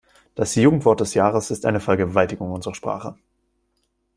Das Jugendwort des Jahres ist eine Vergewaltigung unserer Sprache.